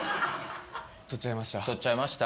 取っちゃいました。